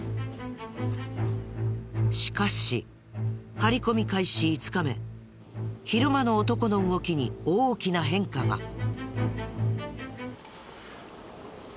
しかし張り込み開始５日目昼間の男の動きに大きな変化が。